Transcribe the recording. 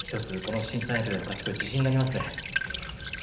この新三役での勝ち越しは自信になりますね。